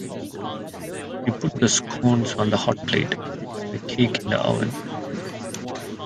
He put the scones on the hotplate, and the cake in the oven